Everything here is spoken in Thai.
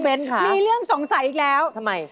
พี่เอ๊ยมีเรื่องสงสัยอีกแล้วคุณเบ้นค่ะทำไม